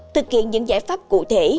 thực hiện những giải pháp cụ thể